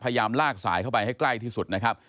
พยายามลากสายเข้าไปให้ใกล้ที่สุดนะครับ